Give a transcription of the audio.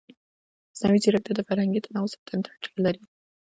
مصنوعي ځیرکتیا د فرهنګي تنوع ساتنې ته اړتیا لري.